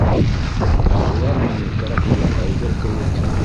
Ә улар мине кәрәкмәгән әйбер кеүек...